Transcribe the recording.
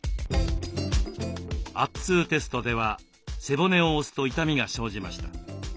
圧痛テストでは背骨を押すと痛みが生じました。